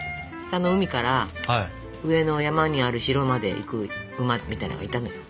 下の海から上の山にある城まで行く馬みたいなのがいたのよ。